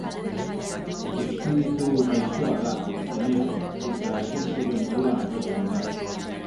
Espiritu gaiztoa da, emea, eta herensuge moduan agertzen da.